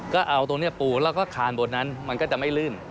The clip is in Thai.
ก็เอาตรงนี้ปูแล้วก็คานบนนั้นมันก็จะไม่ลื่น